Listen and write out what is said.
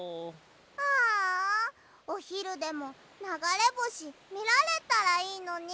ああおひるでもながれぼしみられたらいいのに。